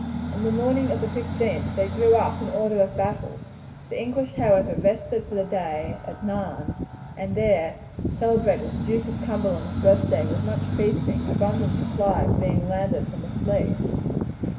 On the morning of the 15th they drew up in order of battle. The English, however, rested for the day at Nairn, and there celebrated the Duke of Cumberland's birthday with much feasting, abundant supplies being landed from the fleet.